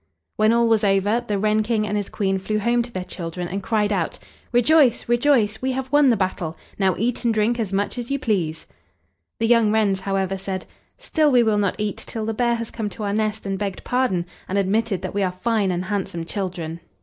When all was over the wren King and his Queen flew home to their children, and cried out: "Rejoice! rejoice! we have won the battle; now eat and drink as much as you please." The young wrens, however, said: "Still we will not eat till the bear has come to our nest and begged pardon, and admitted that we are fine and handsome children."